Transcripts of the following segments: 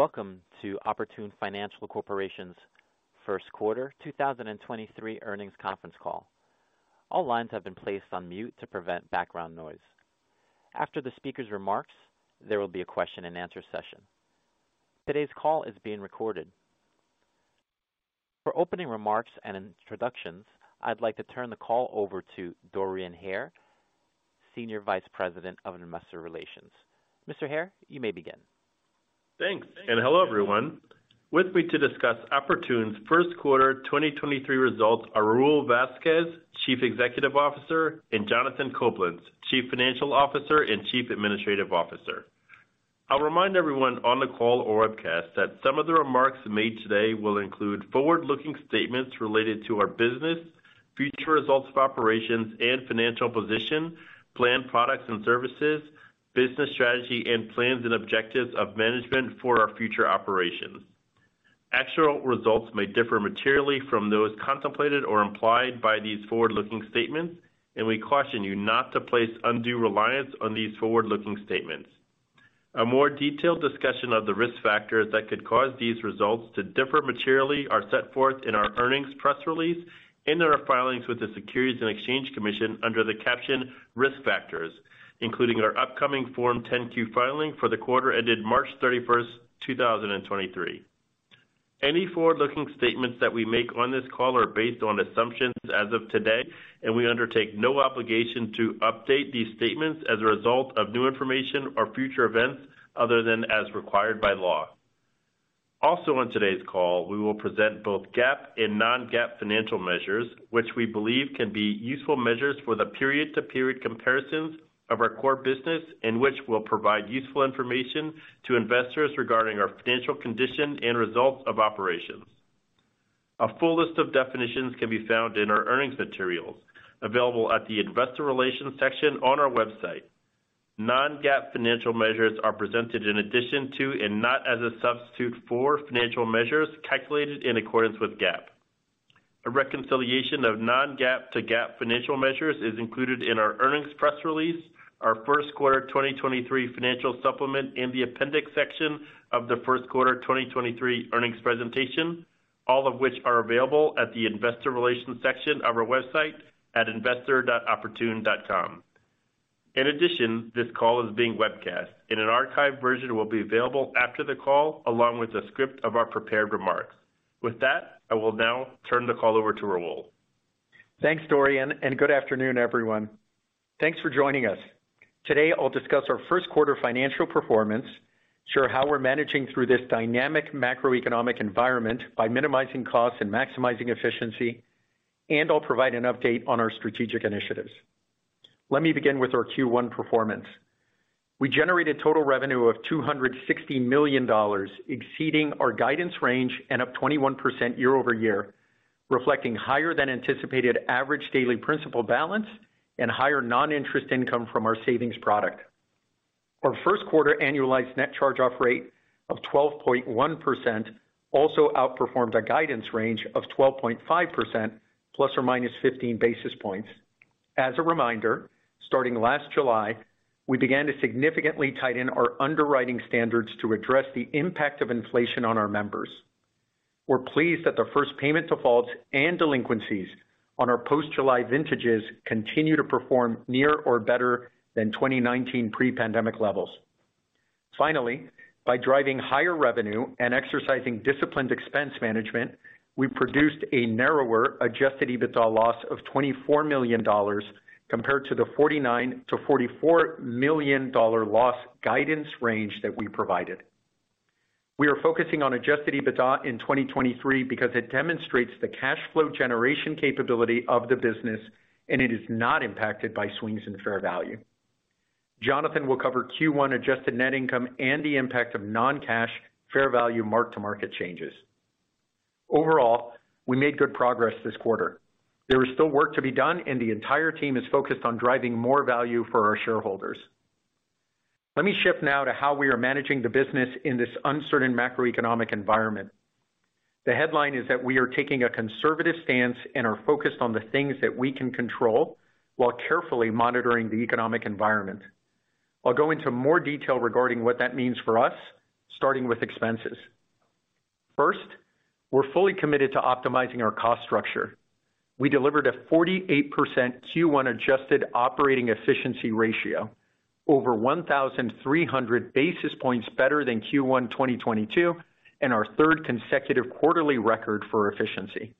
Welcome to Oportun Financial Corporation's first quarter 2023 earnings conference call. All lines have been placed on mute to prevent background noise. After the speaker's remarks, there will be a question and answer session. Today's call is being recorded. For opening remarks and introductions, I'd like to turn the call over to Dorian Hare, Senior Vice President of Investor Relations. Mr. Hare, you may begin.` Thanks, hello, everyone. With me to discuss Oportun's first-quarter 2023 results are Raul Vazquez, Chief Executive Officer, and Jonathan Coblentz, Chief Financial Officer and Chief Administrative Officer. I'll remind everyone on the call or webcast that some of the remarks made today will include forward-looking statements related to our business, future results of operations and financial position, planned products and services, business strategy, and plans and objectives of management for our future operations. Actual results may differ materially from those contemplated or implied by these forward-looking statements. We caution you not to place undue reliance on these forward-looking statements. A more detailed discussion of the risk factors that could cause these results to differ materially are set forth in our earnings press release and in our filings with the Securities and Exchange Commission under the caption Risk Factors, including our upcoming Form 10-Q filing for the quarter ended March 31st, 2023. Any forward-looking statements that we make on this call are based on assumptions as of today, and we undertake no obligation to update these statements as a result of new information or future events other than as required by law. Also on today's call, we will present both GAAP and non-GAAP financial measures, which we believe can be useful measures for the period-to-period comparisons of our core business and which will provide useful information to investors regarding our financial condition and results of operations. A full list of definitions can be found in our earnings materials available at the investor relations section on our website. Non-GAAP financial measures are presented in addition to and not as a substitute for financial measures calculated in accordance with GAAP. A reconciliation of non-GAAP to GAAP financial measures is included in our earnings press release, our first quarter 2023 financial supplement in the appendix section of the first quarter 2023 earnings presentation, all of which are available at the investor relations section of our website at investor.oportun.com. This call is being webcast and an archived version will be available after the call, along with a script of our prepared remarks. With that, I will now turn the call over to Raul. Thanks, Dorian. Good afternoon, everyone. Thanks for joining us. Today, I'll discuss our first quarter financial performance, share how we're managing through this dynamic macroeconomic environment by minimizing costs and maximizing efficiency, and I'll provide an update on our strategic initiatives. Let me begin with our Q1 performance. We generated total revenue of $260 million, exceeding our guidance range and up 21% year-over-year, reflecting higher than anticipated average daily principal balance and higher non-interest income from our savings product. Our first quarter annualized net charge-off rate of 12.1% also outperformed our guidance range of 12.5% ±15 basis points. As a reminder, starting last July, we began to significantly tighten our underwriting standards to address the impact of inflation on our members. We're pleased that the first payment defaults and delinquencies on our post-July vintages continue to perform near or better than 2019 pre-pandemic levels. By driving higher revenue and exercising disciplined expense management, we produced a narrower adjusted EBITDA loss of $24 million compared to the $49 million-$44 million loss guidance range that we provided. We are focusing on adjusted EBITDA in 2023 because it demonstrates the cash flow generation capability of the business, and it is not impacted by swings in fair value. Jonathan will cover Q1 adjusted net income and the impact of non-cash fair value mark-to-market changes. We made good progress this quarter. There is still work to be done and the entire team is focused on driving more value for our shareholders. Let me shift now to how we are managing the business in this uncertain macroeconomic environment. The headline is that we are taking a conservative stance and are focused on the things that we can control while carefully monitoring the economic environment. I'll go into more detail regarding what that means for us, starting with expenses. First, we're fully committed to optimizing our cost structure. We delivered a 48% Q1 adjusted operating efficiency ratio over 1,300 basis points better than Q1 2022 and our third consecutive quarterly record for efficiency.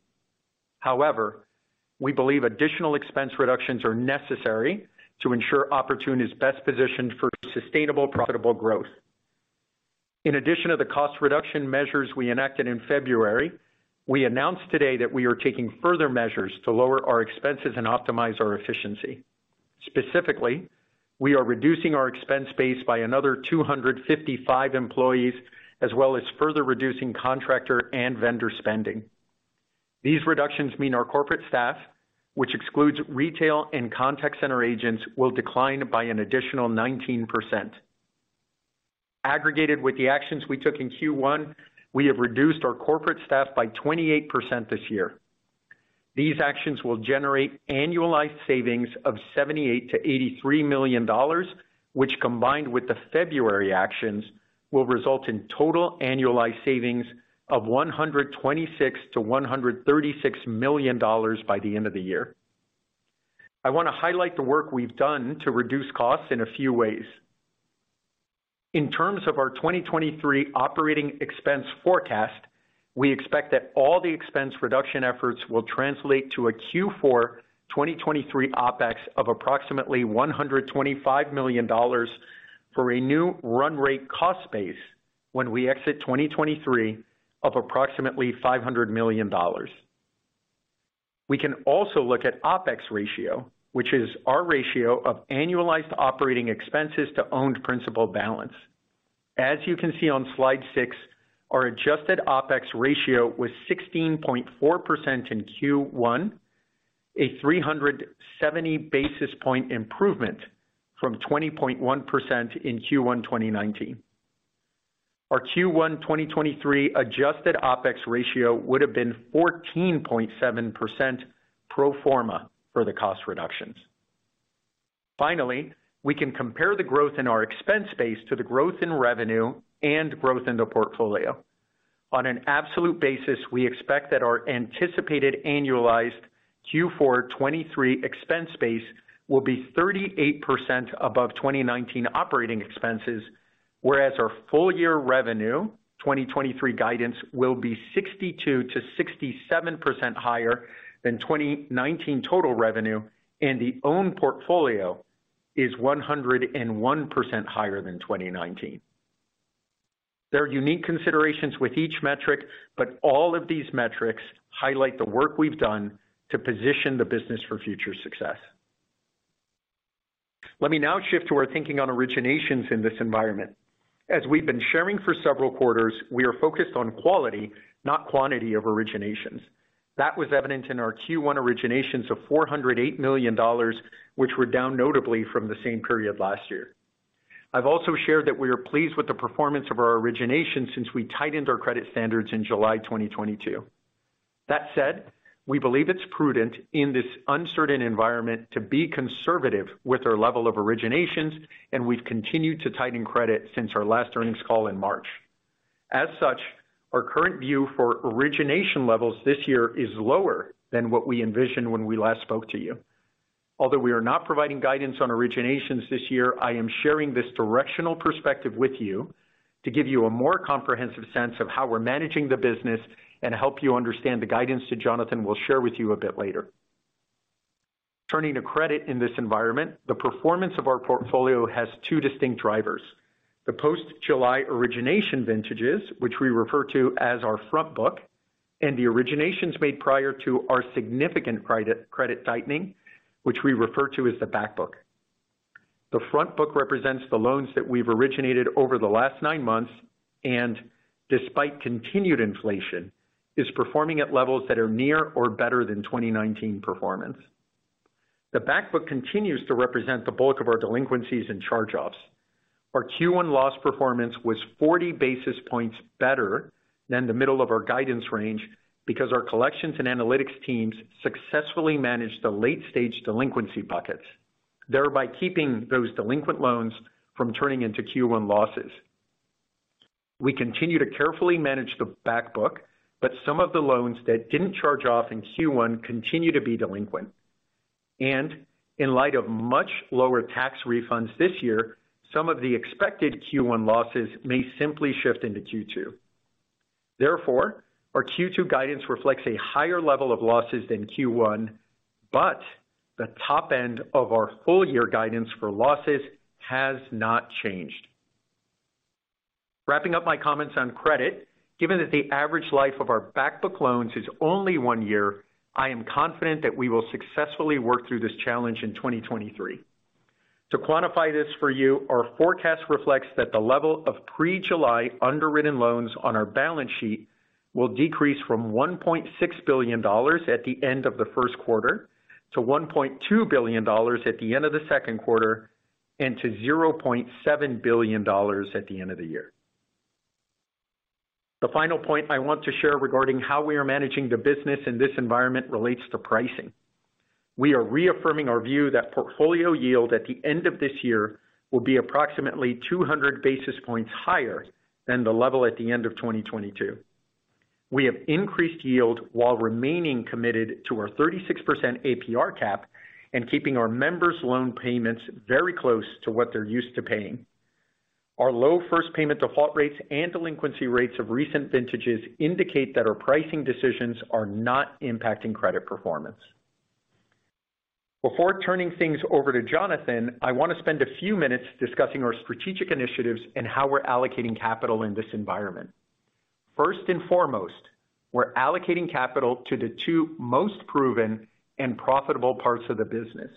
We believe additional expense reductions are necessary to ensure Oportun is best positioned for sustainable, profitable growth. In addition to the cost reduction measures we enacted in February, we announced today that we are taking further measures to lower our expenses and optimize our efficiency. Specifically, we are reducing our expense base by another 255 employees, as well as further reducing contractor and vendor spending. These reductions mean our corporate staff, which excludes retail and contact center agents, will decline by an additional 19%. Aggregated with the actions we took in Q1, we have reduced our corporate staff by 28% this year. These actions will generate annualized savings of $78 million-$83 million, which combined with the February actions, will result in total annualized savings of $126 million-$136 million by the end of the year. I want to highlight the work we've done to reduce costs in a few ways. In terms of our 2023 operating expense forecast, we expect that all the expense reduction efforts will translate to a Q4 2023 OpEx of approximately $125 million for a new run rate cost base when we exit 2023 of approximately $500 million. We can also look at OpEx ratio, which is our ratio of annualized operating expenses to owned principal balance. As you can see on slide 6, our adjusted OpEx ratio was 16.4% in Q1, a 370 basis point improvement from 20.1% in Q1 2019. Our Q1 2023 adjusted OpEx ratio would have been 14.7% pro forma for the cost reductions. We can compare the growth in our expense base to the growth in revenue and growth in the portfolio. On an absolute basis, we expect that our anticipated annualized Q4 2023 expense base will be 38% above 2019 operating expenses, whereas our full year revenue 2023 guidance will be 62%-67% higher than 2019 total revenue, and the owned portfolio is 101% higher than 2019. There are unique considerations with each metric, but all of these metrics highlight the work we've done to position the business for future success. Let me now shift to our thinking on originations in this environment. As we've been sharing for several quarters, we are focused on quality, not quantity of originations. That was evident in our Q1 originations of $408 million, which were down notably from the same period last year. I've also shared that we are pleased with the performance of our originations since we tightened our credit standards in July 2022. That said, we believe it's prudent in this uncertain environment to be conservative with our level of originations, and we've continued to tighten credit since our last earnings call in March. As such, our current view for origination levels this year is lower than what we envisioned when we last spoke to you. Although we are not providing guidance on originations this year, I am sharing this directional perspective with you to give you a more comprehensive sense of how we're managing the business and help you understand the guidance that Jonathan will share with you a bit later. Turning to credit in this environment, the performance of our portfolio has two distinct drivers. The post-July origination vintages, which we refer to as our front book, and the originations made prior to our significant credit tightening, which we refer to as the back book. The front book represents the loans that we've originated over the last nine months and despite continued inflation, is performing at levels that are near or better than 2019 performance. The back book continues to represent the bulk of our delinquencies and charge-offs. Our Q1 loss performance was 40 basis points better than the middle of our guidance range because our collections and analytics teams successfully managed the late-stage delinquency buckets, thereby keeping those delinquent loans from turning into Q1 losses. We continue to carefully manage the back book, but some of the loans that didn't charge off in Q1 continue to be delinquent. In light of much lower tax refunds this year, some of the expected Q1 losses may simply shift into Q2. Therefore, our Q2 guidance reflects a higher level of losses than Q1, but the top end of our full year guidance for losses has not changed. Wrapping up my comments on credit, given that the average life of our back book loans is only 1 year, I am confident that we will successfully work through this challenge in 2023. To quantify this for you, our forecast reflects that the level of pre-July underwritten loans on our balance sheet will decrease from $1.6 billion at the end of the 1st quarter to $1.2 billion at the end of the 2nd quarter and to $0.7 billion at the end of the year. The final point I want to share regarding how we are managing the business in this environment relates to pricing. We are reaffirming our view that portfolio yield at the end of this year will be approximately 200 basis points higher than the level at the end of 2022. We have increased yield while remaining committed to our 36% APR cap and keeping our members' loan payments very close to what they're used to paying. Our low first payment default rates and delinquency rates of recent vintages indicate that our pricing decisions are not impacting credit performance. Before turning things over to Jonathan, I want to spend a few minutes discussing our strategic initiatives and how we're allocating capital in this environment. First and foremost, we're allocating capital to the two most proven and profitable parts of the business.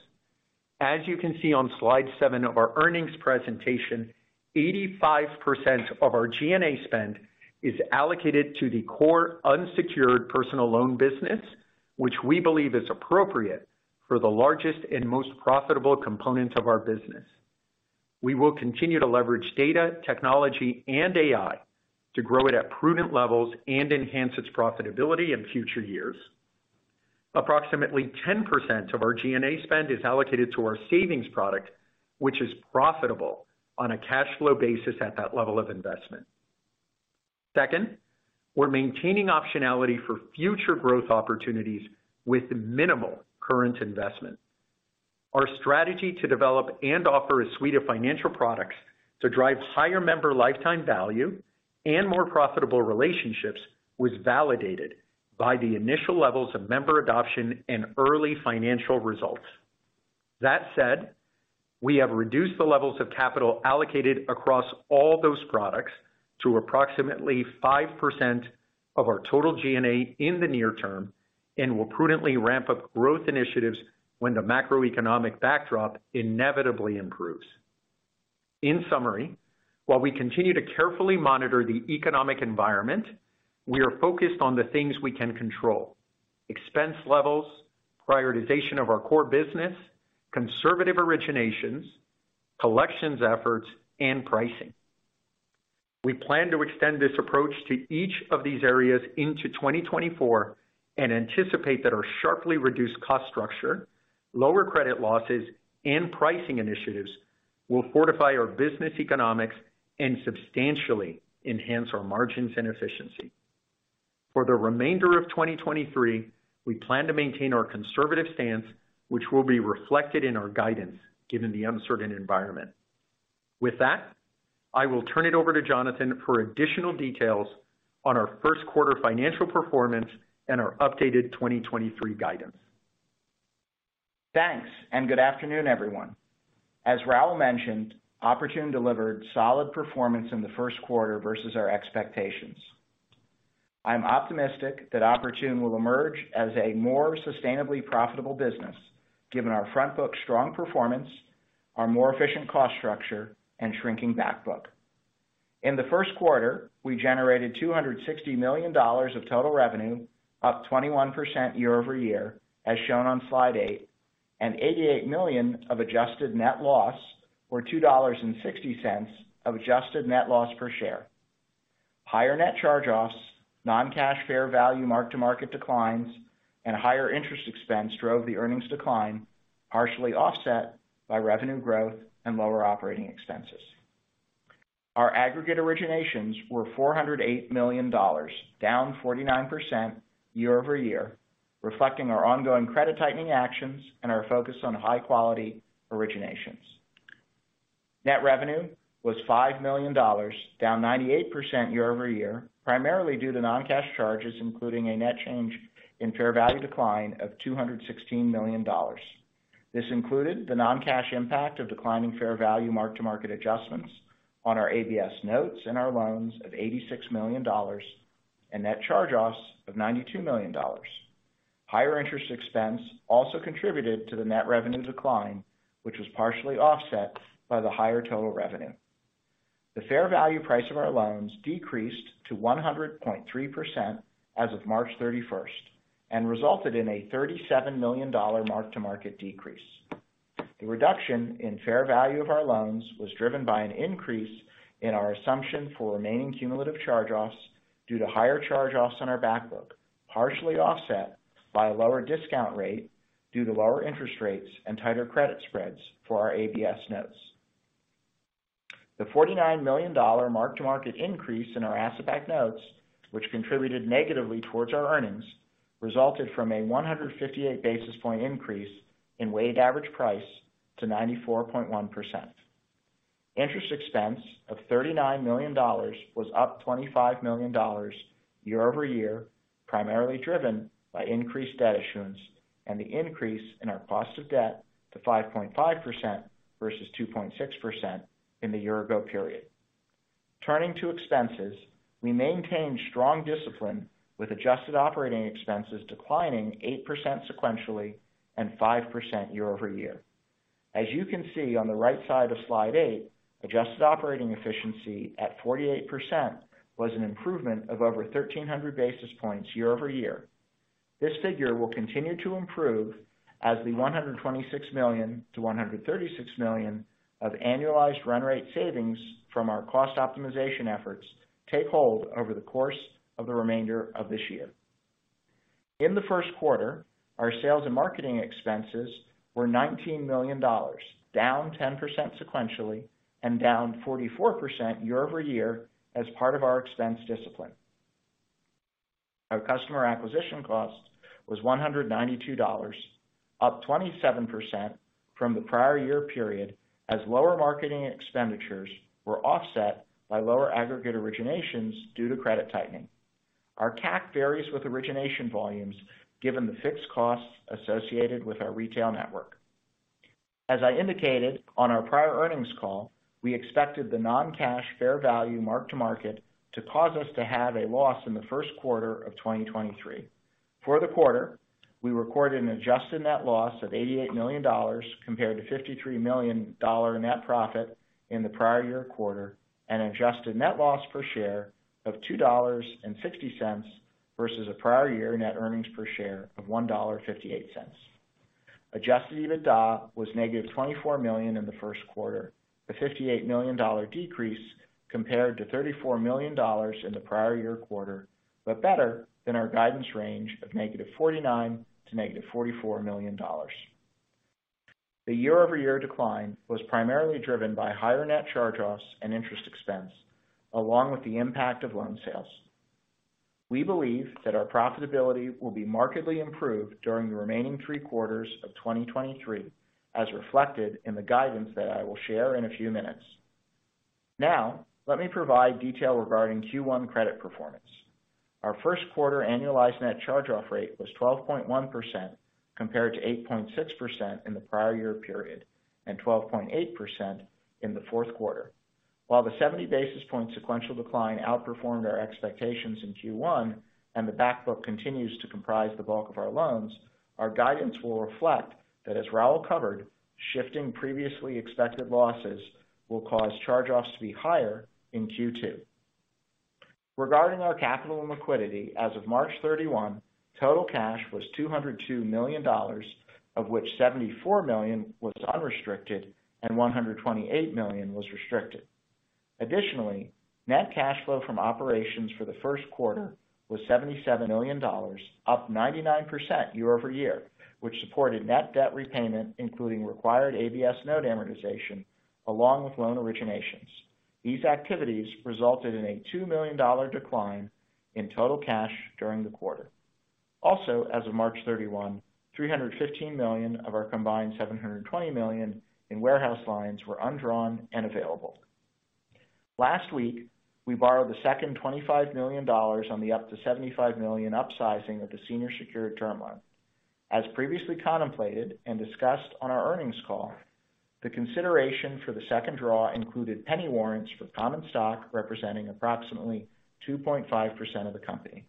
As you can see on slide 7 of our earnings presentation, 85% of our G&A spend is allocated to the core unsecured personal loan business, which we believe is appropriate for the largest and most profitable component of our business. We will continue to leverage data, technology, and AI to grow it at prudent levels and enhance its profitability in future years. Approximately 10% of our G&A spend is allocated to our savings product, which is profitable on a cash flow basis at that level of investment. Second, we're maintaining optionality for future growth opportunities with minimal current investment. Our strategy to develop and offer a suite of financial products to drive higher member lifetime value and more profitable relationships was validated by the initial levels of member adoption and early financial results. That said, we have reduced the levels of capital allocated across all those products to approximately 5% of our total G&A in the near term and will prudently ramp up growth initiatives when the macroeconomic backdrop inevitably improves. In summary, while we continue to carefully monitor the economic environment, we are focused on the things we can control: expense levels, prioritization of our core business, conservative originations, collections efforts, and pricing. We plan to extend this approach to each of these areas into 2024 and anticipate that our sharply reduced cost structure, lower credit losses, and pricing initiatives will fortify our business economics and substantially enhance our margins and efficiency. For the remainder of 2023, we plan to maintain our conservative stance, which will be reflected in our guidance given the uncertain environment. With that, I will turn it over to Jonathan for additional details on our first quarter financial performance and our updated 2023 guidance. Thanks, good afternoon, everyone. As Raul mentioned, Oportun delivered solid performance in the first quarter versus our expectations. I'm optimistic that Oportun will emerge as a more sustainably profitable business given our front book strong performance, our more efficient cost structure, and shrinking back book. In the first quarter, we generated $260 million of total revenue, up 21% year-over-year, as shown on slide eight, and $88 million of adjusted net loss, or $2.60 of adjusted net loss per share. Higher net charge-offs, non-cash fair value mark-to-market declines, and higher interest expense drove the earnings decline, partially offset by revenue growth and lower operating expenses. Our aggregate originations were $408 million, down 49% year-over-year, reflecting our ongoing credit tightening actions and our focus on high-quality originations. Net revenue was $5 million, down 98% year-over-year, primarily due to non-cash charges, including a net change in fair value decline of $216 million. This included the non-cash impact of declining fair value mark-to-market adjustments on our ABS notes and our loans of $86 million and net charge-offs of $92 million. Higher interest expense also contributed to the net revenue decline, which was partially offset by the higher total revenue. The fair value price of our loans decreased to 103% as of March 31st and resulted in a $37 million mark-to-market decrease. The reduction in fair value of our loans was driven by an increase in our assumption for remaining cumulative charge-offs due to higher charge-offs on our back book, partially offset by a lower discount rate due to lower interest rates and tighter credit spreads for our ABS notes. The $49 million mark-to-market increase in our asset-backed notes, which contributed negatively towards our earnings, resulted from a 158 basis point increase in weighted average price to 94.1%. Interest expense of $39 million was up $25 million year-over-year, primarily driven by increased debt issuance and the increase in our cost of debt to 5.5% versus 2.6% in the year ago period. Turning to expenses, we maintained strong discipline with adjusted operating expenses declining 8% sequentially and 5% year-over-year. As you can see on the right side of slide 8, adjusted operating efficiency at 48% was an improvement of over 1,300 basis points year-over-year. This figure will continue to improve as the $126 million-$136 million of annualized run rate savings from our cost optimization efforts take hold over the course of the remainder of this year. In the first quarter, our sales and marketing expenses were $19 million, down 10% sequentially and down 44% year-over-year as part of our expense discipline. Our customer acquisition cost was $192, up 27% from the prior year period as lower marketing expenditures were offset by lower aggregate originations due to credit tightening. Our CAC varies with origination volumes given the fixed costs associated with our retail network. As I indicated on our prior earnings call, we expected the non-cash fair value mark-to-market to cause us to have a loss in the first quarter of 2023. For the quarter, we recorded an adjusted net loss of $88 million compared to $53 million net profit in the prior year quarter, an adjusted net loss per share of $2.60 versus a prior year net earnings per share of $1.58. Adjusted EBITDA was negative $24 million in the first quarter. The $58 million decrease compared to $34 million in the prior year quarter. Better than our guidance range of negative $49 million - negative $44 million. The year-over-year decline was primarily driven by higher net charge-offs and interest expense, along with the impact of loan sales. We believe that our profitability will be markedly improved during the remaining 3 quarters of 2023, as reflected in the guidance that I will share in a few minutes. Let me provide detail regarding Q1 credit performance. Our first quarter annualized net charge-off rate was 12.1% compared to 8.6% in the prior year period and 12.8% in the fourth quarter. While the 70 basis point sequential decline outperformed our expectations in Q1 and the back book continues to comprise the bulk of our loans, our guidance will reflect that, as Raul covered, shifting previously expected losses will cause charge-offs to be higher in Q2. Regarding our capital and liquidity, as of March 31, total cash was $202 million, of which $74 million was unrestricted and $128 million was restricted. Additionally, net cash flow from operations for the first quarter was $77 million, up 99% year-over-year, which supported net debt repayment, including required ABS note amortization along with loan originations. These activities resulted in a $2 million decline in total cash during the quarter. As of March 31, $315 million of our combined $720 million in warehouse lines were undrawn and available. Last week, we borrowed the second $25 million on the up to $75 million upsizing of the senior secured term loan. As previously contemplated and discussed on our earnings call, the consideration for the second draw included penny warrants for common stock representing approximately 2.5% of the company.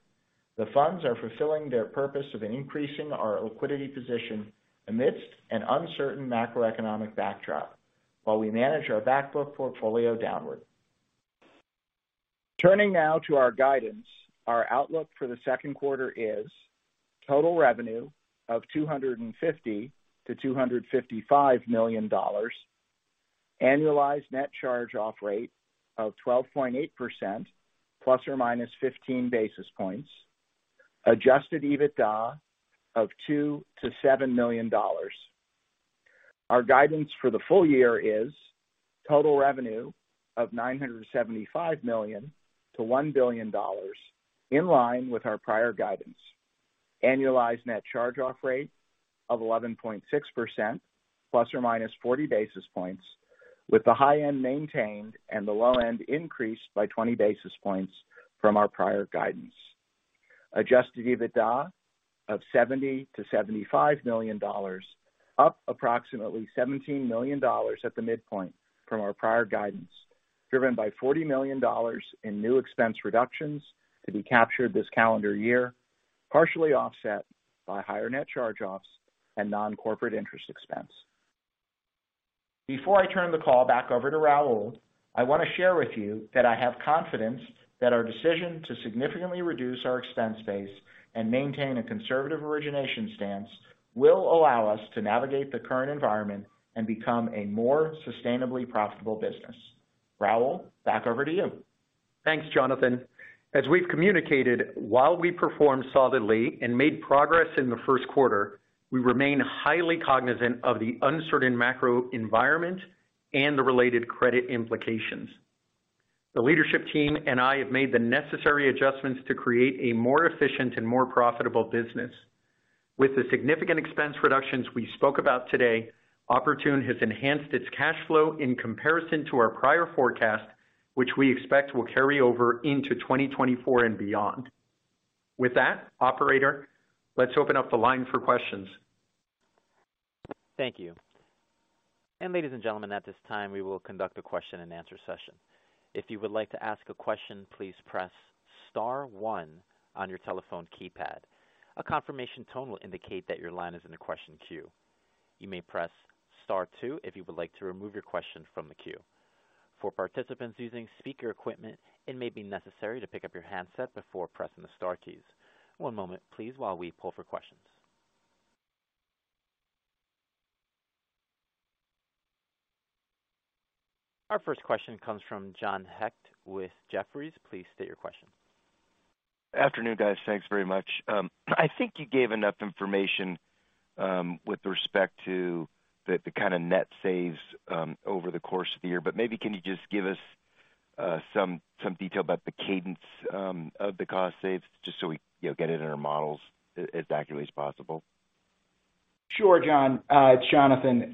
The funds are fulfilling their purpose of increasing our liquidity position amidst an uncertain macroeconomic backdrop while we manage our backbook portfolio downward. Turning now to our guidance. Our outlook for the second quarter is total revenue of $250 million-$255 million. Annualized net charge-off rate of 12.8% ±15 basis points. Adjusted EBITDA of $2 million-$7 million. Our guidance for the full year is total revenue of $975 million-$1 billion, in line with our prior guidance. Annualized net charge-off rate of 11.6% ±40 basis points, with the high end maintained and the low end increased by 20 basis points from our prior guidance. Adjusted EBITDA of $70 million-$75 million, up approximately $17 million at the midpoint from our prior guidance, driven by $40 million in new expense reductions to be captured this calendar year, partially offset by higher net charge-offs and non-corporate interest expense. Before I turn the call back over to Raul, I want to share with you that I have confidence that our decision to significantly reduce our expense base and maintain a conservative origination stance will allow us to navigate the current environment and become a more sustainably profitable business. Raul, back over to you. Thanks, Jonathan. We've communicated, while we performed solidly and made progress in the first quarter, we remain highly cognizant of the uncertain macro environment and the related credit implications. The leadership team and I have made the necessary adjustments to create a more efficient and more profitable business. With the significant expense reductions we spoke about today, Oportun has enhanced its cash flow in comparison to our prior forecast, which we expect will carry over into 2024 and beyond. With that, operator, let's open up the line for questions. Thank you. Ladies and gentlemen, at this time, we will conduct a question-and-answer session. If you would like to ask a question, please press star one on your telephone keypad. A confirmation tone will indicate that your line is in the question queue. You may press star two if you would like to remove your question from the queue. For participants using speaker equipment, it may be necessary to pick up your handset before pressing the star keys. One moment, please, while we pull for questions. Our first question comes from John Hecht with Jefferies. Please state your question. Afternoon, guys. Thanks very much. I think you gave enough information, with respect to the kind of net saves, over the course of the year. Maybe can you just give us some detail about the cadence of the cost saves, just so we, you know, get it in our models as accurately as possible? Sure, John. It's Jonathan.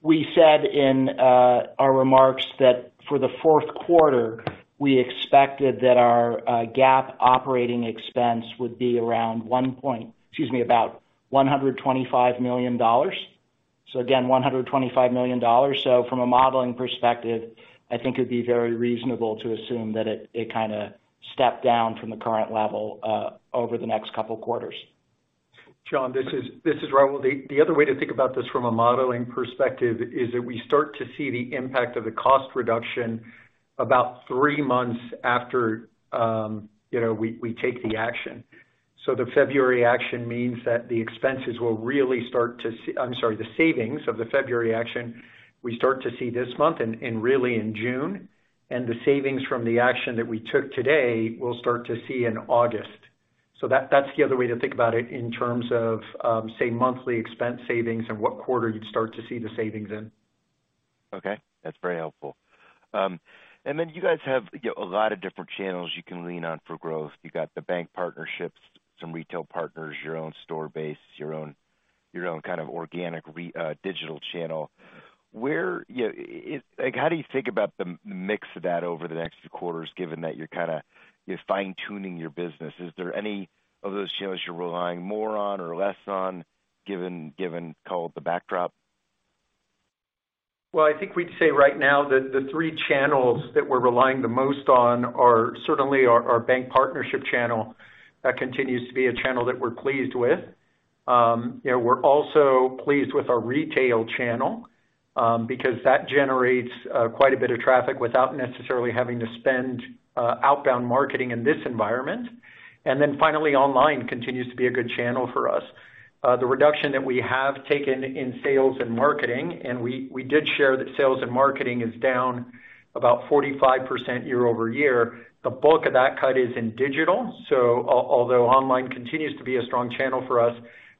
We said in our remarks that for the fourth quarter, we expected that our GAAP operating expense would be around $125 million. Again, $125 million. From a modeling perspective, I think it'd be very reasonable to assume that it kinda stepped down from the current level over the next couple quarters. John, this is Raul. The other way to think about this from a modeling perspective is that we start to see the impact of the cost reduction about three months after, you know, we take the action. The February action means that the expenses will really start to I'm sorry, the savings of the February action, we start to see this month and really in June. The savings from the action that we took today, we'll start to see in August. That's the other way to think about it in terms of, say, monthly expense savings and what quarter you'd start to see the savings in. Okay, that's very helpful. You guys have a lot of different channels you can lean on for growth. You got the bank partnerships, some retail partners, your own store base, your own kind of organic digital channel. Where... Yeah, like, how do you think about the mix of that over the next quarters, given that you're fine-tuning your business? Is there any of those channels you're relying more on or less on given, call it, the backdrop? Well, I think we'd say right now that the three channels that we're relying the most on are certainly our bank partnership channel. That continues to be a channel that we're pleased with. You know, we're also pleased with our retail channel, because that generates quite a bit of traffic without necessarily having to spend outbound marketing in this environment. Finally, online continues to be a good channel for us. The reduction that we have taken in sales and marketing, and we did share that sales and marketing is down about 45% year-over-year. The bulk of that cut is in digital. Although online continues to be a strong channel for us,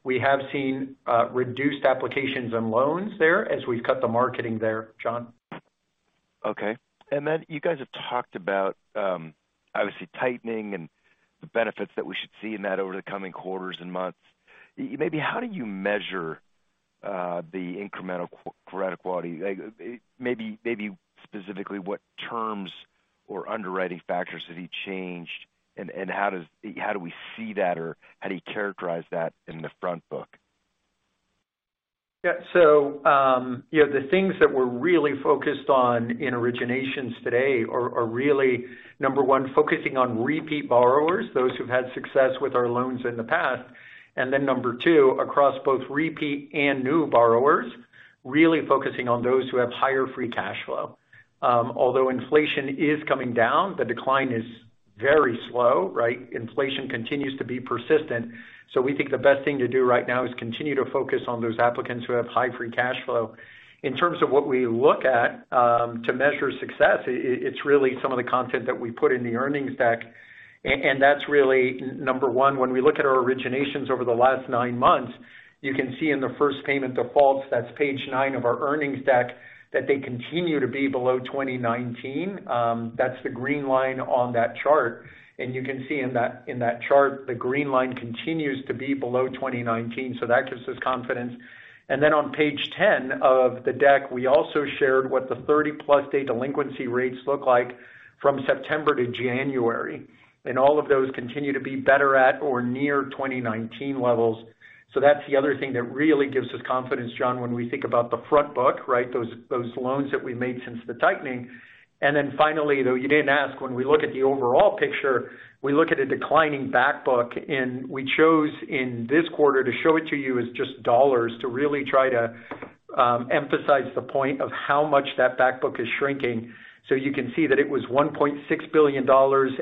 we have seen reduced applications and loans there as we've cut the marketing there, John. You guys have talked about, obviously tightening and the benefits that we should see in that over the coming quarters and months. Maybe how do you measure the incremental credit quality? Like, maybe specifically what terms or underwriting factors have you changed and how do we see that or how do you characterize that in the front book? Yeah. You know, the things that we're really focused on in originations today are really, number one, focusing on repeat borrowers, those who've had success with our loans in the past. Number two, across both repeat and new borrowers, really focusing on those who have higher free cash flow. Although inflation is coming down, the decline is very slow, right? Inflation continues to be persistent. We think the best thing to do right now is continue to focus on those applicants who have high free cash flow. In terms of what we look at, to measure success, it's really some of the content that we put in the earnings deck. That's really number one. When we look at our originations over the last 9 months, you can see in the first payment defaults, that's page 9 of our earnings deck that they continue to be below 2019. That's the green line on that chart. You can see in that chart, the green line continues to be below 2019, that gives us confidence. On page 10 of the deck, we also shared what the 30-plus day delinquency rates look like from September to January. All of those continue to be better at or near 2019 levels. That's the other thing that really gives us confidence, John, when we think about the front book, right? Those loans that we made since the tightening. Then finally, though you didn't ask, when we look at the overall picture, we look at a declining Back Book, and we chose in this quarter to show it to you as just dollars to really try to emphasize the point of how much that Back Book is shrinking. You can see that it was $1.6 billion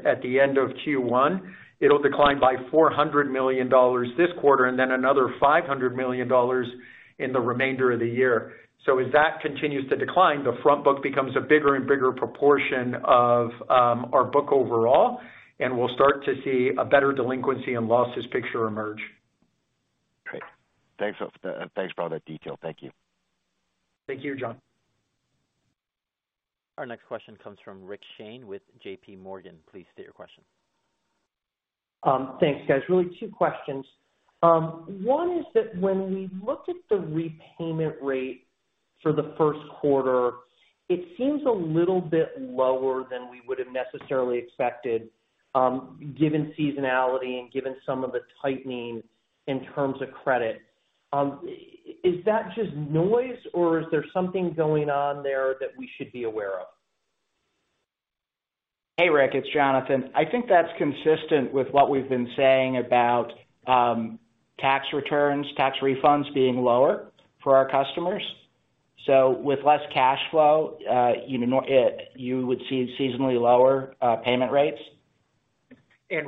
at the end of Q1. It'll decline by $400 million this quarter and then another $500 million in the remainder of the year. As that continues to decline, the Front Book becomes a bigger and bigger proportion of our book overall, and we'll start to see a better delinquency and losses picture emerge. Great. Thanks. Thanks for all that detail. Thank you. Thank you, John. Our next question comes from Rick Shane with J.P. Morgan. Please state your question. Thanks, guys. Really two questions. One is that when we look at the repayment rate for the first quarter, it seems a little bit lower than we would have necessarily expected, given seasonality and given some of the tightening in terms of credit. Is that just noise or is there something going on there that we should be aware of? Hey, Rick, it's Jonathan. I think that's consistent with what we've been saying about tax returns, tax refunds being lower for our customers. With less cash flow, you know, you would see seasonally lower payment rates.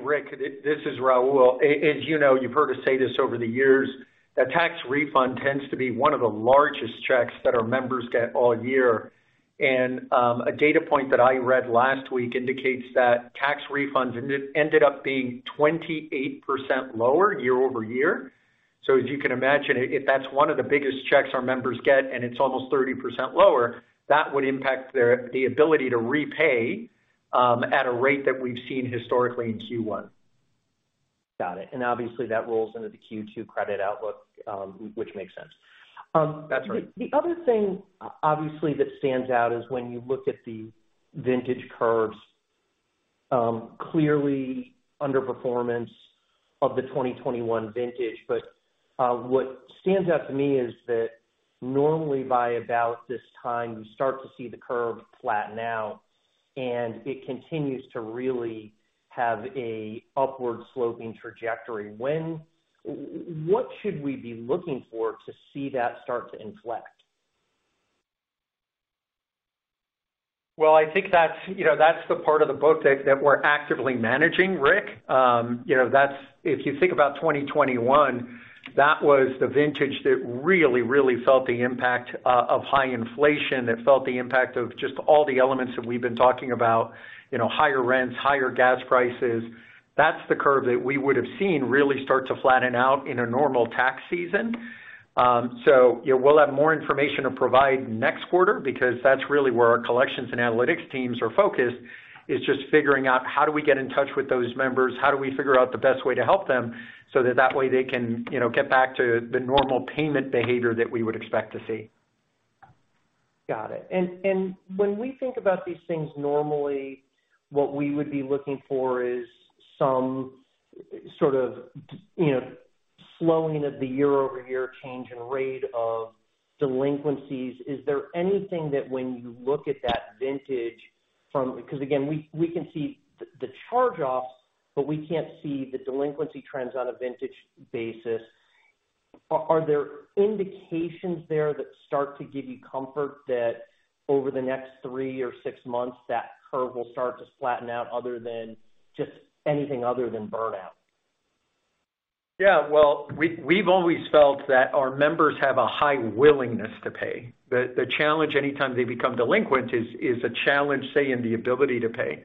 Rick, this is Raul. As you know, you've heard us say this over the years, a tax refund tends to be one of the largest checks that our members get all year. A data point that I read last week indicates that tax refunds ended up being 28% lower year-over-year. As you can imagine, if that's one of the biggest checks our members get and it's almost 30% lower, that would impact their the ability to repay at a rate that we've seen historically in Q1. Got it. Obviously that rolls into the Q2 credit outlook, which makes sense. That's right. The other thing obviously that stands out is when you look at the vintage curves, clearly underperformance of the 2021 vintage. What stands out to me is that normally by about this time, you start to see the curve flatten out. It continues to really have a upward sloping trajectory. What should we be looking for to see that start to inflect? Well, I think that's, you know, that's the part of the boat that we're actively managing, Rick. You know, if you think about 2021, that was the vintage that really felt the impact of high inflation and felt the impact of just all the elements that we've been talking about. You know, higher rents, higher gas prices. That's the curve that we would've seen really start to flatten out in a normal tax season. You know, we'll have more information to provide next quarter because that's really where our collections and analytics teams are focused, just figuring out how do we get in touch with those members? How do we figure out the best way to help them so that that way they can, you know, get back to the normal payment behavior that we would expect to see. Got it. When we think about these things normally, what we would be looking for is some sort of, you know, slowing of the year-over-year change in rate of delinquencies. Is there anything that when you look at that vintage because again, we can see the charge-offs, but we can't see the delinquency trends on a vintage basis? Are there indications there that start to give you comfort that over the next three or six months, that curve will start to flatten out other than just anything other than burnout? Yeah. Well, we've always felt that our members have a high willingness to pay. The challenge any time they become delinquent is a challenge, say, in the ability to pay.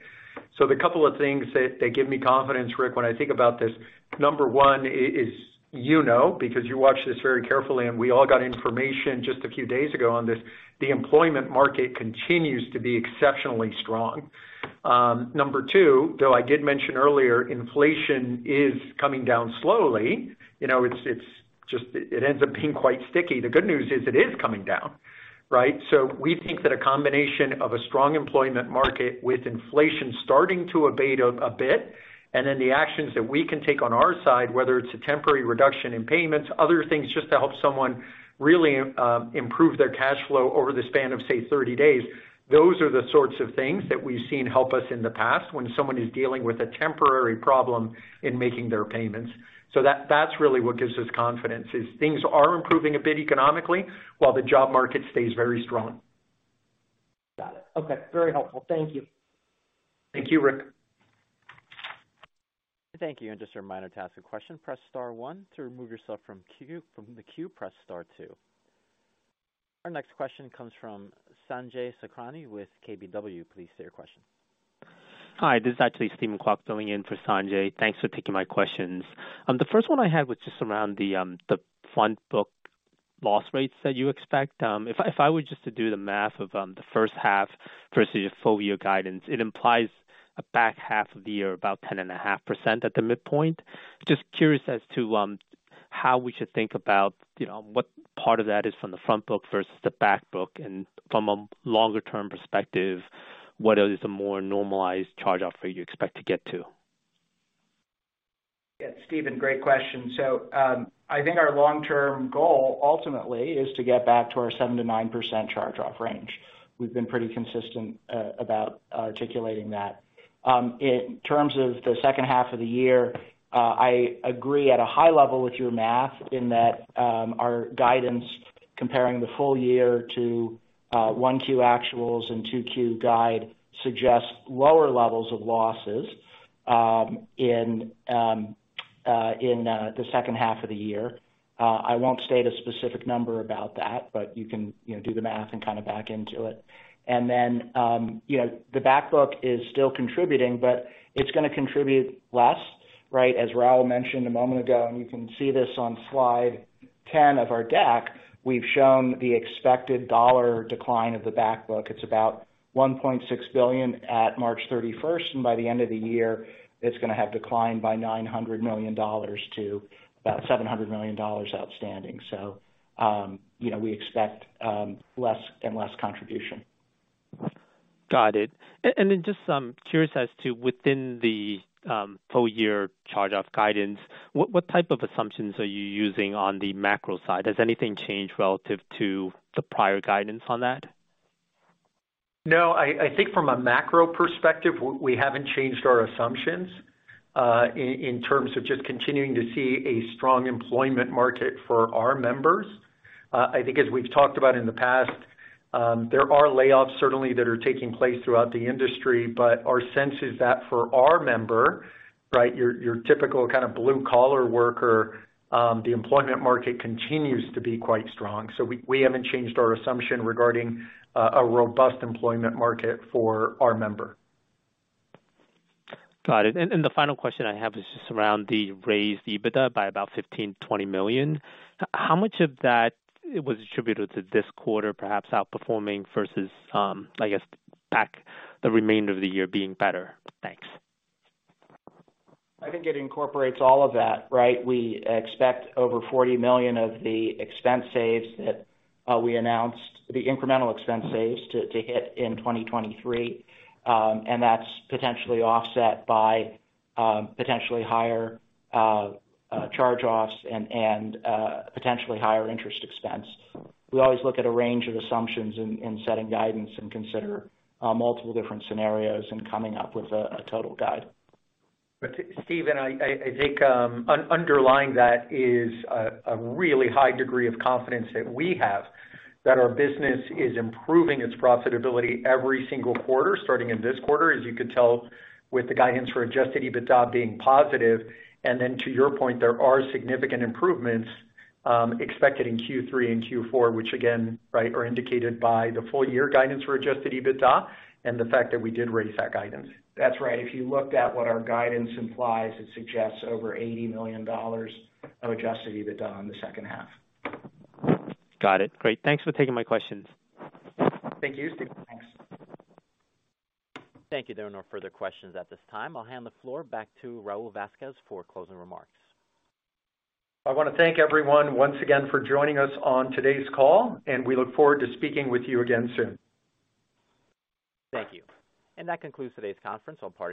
The couple of things that give me confidence, Rick, when I think about this, number 1 is, you know, because you watch this very carefully, and we all got information just a few days ago on this. The employment market continues to be exceptionally strong. Number 2, though I did mention earlier, inflation is coming down slowly. You know, it's just it ends up being quite sticky. The good news is it is coming down, right? We think that a combination of a strong employment market with inflation starting to abate a bit and then the actions that we can take on our side, whether it's a temporary reduction in payments, other things just to help someone really improve their cash flow over the span of, say, 30 days. Those are the sorts of things that we've seen help us in the past when someone is dealing with a temporary problem in making their payments. That's really what gives us confidence is things are improving a bit economically while the job market stays very strong. Got it. Okay, very helpful. Thank you. Thank you, Rick. Thank you. Just a reminder to ask a question, press star one. To remove yourself from the queue, press star two. Our next question comes from Sanjay Sakhrani with KBW. Please state your question. Hi, this is actually Steven Kwok filling in for Sanjay. Thanks for taking my questions. The first one I had was just around the front book loss rates that you expect. If I were just to do the math of the first half versus your full year guidance, it implies a back half of the year about 10.5% at the midpoint. Just curious as to how we should think about, you know, what part of that is from the front book versus the back book. From a longer term perspective, what is a more normalized charge-off rate you expect to get to? Yeah. Steven, great question. I think our long-term goal ultimately is to get back to our 7%-9% charge-off range. We've been pretty consistent about articulating that. In terms of the second half of the year, I agree at a high level with your math in that, our guidance comparing the full year to 1Q actuals and 2Q guide suggests lower levels of losses in the second half of the year. I won't state a specific number about that, but you can, you know, do the math and kind of back into it. Then, you know, the back book is still contributing, but it's gonna contribute less, right? As Raul mentioned a moment ago, and you can see this on slide 10 of our deck. We've shown the expected dollar decline of the back book. It's about $1.6 billion at March 31st. By the end of the year, it's going to have declined by $900 million to about $700 million outstanding. you know, we expect less and less contribution. Got it. Just curious as to within the full year charge-off guidance, what type of assumptions are you using on the macro side? Has anything changed relative to the prior guidance on that? No. I think from a macro perspective, we haven't changed our assumptions, in terms of just continuing to see a strong employment market for our members. I think as we've talked about in the past, there are layoffs certainly that are taking place throughout the industry. Our sense is that for our member, right? Your typical kind of blue-collar worker, the employment market continues to be quite strong. We haven't changed our assumption regarding, a robust employment market for our member. Got it. The final question I have is just around the raised EBITDA by about $15 million-$20 million. How much of that was attributed to this quarter, perhaps outperforming versus, I guess, back the remainder of the year being better? Thanks. I think it incorporates all of that, right? We expect over $40 million of the expense saves that we announced the incremental expense saves to hit in 2023. That's potentially offset by potentially higher charge-offs and potentially higher interest expense. We always look at a range of assumptions in setting guidance and consider multiple different scenarios in coming up with a total guide. Steven, I think underlying that is a really high degree of confidence that we have that our business is improving its profitability every single quarter, starting in this quarter, as you could tell with the guidance for adjusted EBITDA being positive. Then to your point, there are significant improvements expected in Q3 and Q4, which again, right, are indicated by the full year guidance for adjusted EBITDA and the fact that we did raise that guidance. That's right. If you looked at what our guidance implies, it suggests over $80 million of adjusted EBITDA on the second half. Got it. Great. Thanks for taking my questions. Thank you. Thanks. Thank you. There are no further questions at this time. I'll hand the floor back to Raul Vazquez for closing remarks. I want to thank everyone once again for joining us on today's call, and we look forward to speaking with you again soon. Thank you. That concludes today's conference. On behalf.